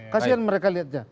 kasian mereka lihatnya